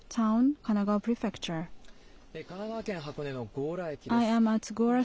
神奈川県箱根の強羅駅です。